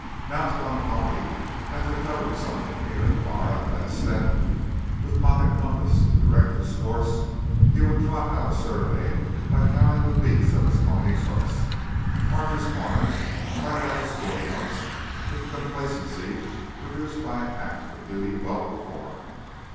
Mounted on a pony that could cover something near a "vara" at a step, with a pocket compass to direct his course, he would trot out a survey by counting the beat of his pony's hoofs, mark his corners, and write out his field notes with the complacency produced by an act of duty well performed.